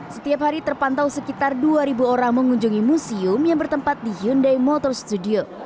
setiap hari terpantau sekitar dua orang mengunjungi museum yang bertempat di hyundai motor studio